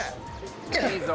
いいぞ。